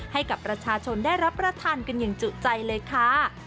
ให้กับประชาชนได้รับประทานกันอย่างจุใจเลยค่ะ